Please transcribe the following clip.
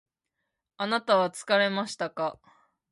あなたは疲れましたか？